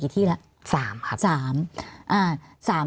๓ครับ